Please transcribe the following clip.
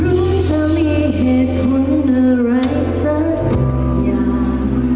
เธอมีเหตุผลอะไรสักอย่าง